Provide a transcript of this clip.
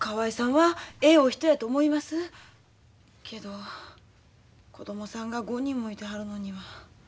けど子供さんが５人もいてはるのには。